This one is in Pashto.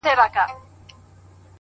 • ښايستو کي خيالوري پيدا کيږي؛